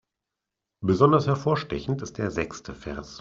Besonders hervorstechend ist der sechste Vers.